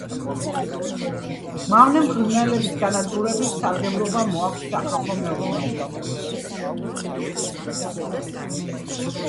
მავნე მღრღნელების განადგურებით სარგებლობა მოაქვს სახალხო მეურნეობისათვის.